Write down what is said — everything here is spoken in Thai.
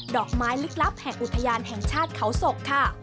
อกไม้ลึกลับแห่งอุทยานแห่งชาติเขาศกค่ะ